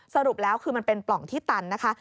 สรุปแล้วคือมันเป็นปล่องที่ตันนะคะ